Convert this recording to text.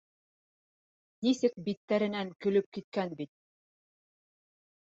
Нисек биттәренән көлөп киткән бит.